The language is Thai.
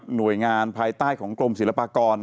หน่วยงานภายใต้ของกรมศิลปากร